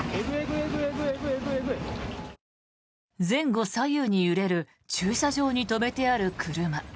前後左右に揺れる駐車場に止めてある車。